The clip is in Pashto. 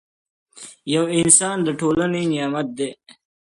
پوه انسان د ټولنې نعمت دی